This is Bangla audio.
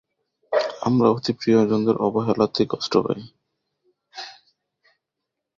আমরা অতি প্রিয়জনদের অবহেলাতেই কষ্ট পাই।